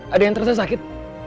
ada yang terasa sakit